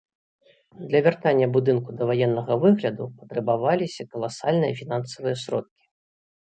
Для вяртання будынку даваеннага выгляду патрабаваліся каласальныя фінансавыя сродкі.